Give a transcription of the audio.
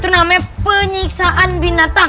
itu namanya penyiksaan binatang